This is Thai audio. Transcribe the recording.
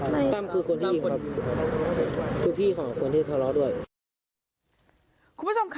นั้นชื่อตั้ง